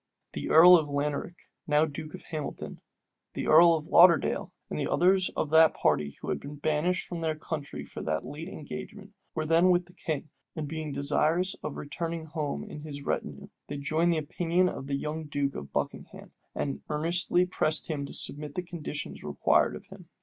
The earl of Laneric, now duke of Hamilton, the earl of Lauderdale, and others of that party who had been banished their country for the late engagement, were then with the king; and being desirous of returning home in his retinue, they joined the opinion of the young duke of Buckingham, and earnestly pressed him to submit to the conditions required of him.